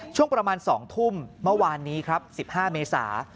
ช่วงประมาณ๒ทุ่มเมื่อวานนี้ครับ๑๕เมษา